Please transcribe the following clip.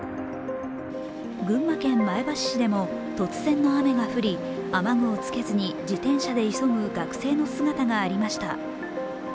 群馬県前橋市でも突然の雨が降り雨具をつけずに自転車で急ぐ学生の姿がありました。